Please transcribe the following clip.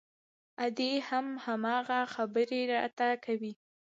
ادې هم هماغه خبرې راته کوي.